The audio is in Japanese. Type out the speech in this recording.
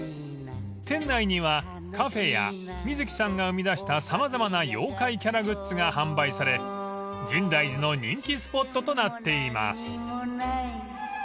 ［店内にはカフェや水木さんが生み出した様々な妖怪キャラグッズが販売され深大寺の人気スポットとなっています］